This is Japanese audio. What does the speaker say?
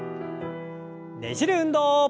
ねじる運動。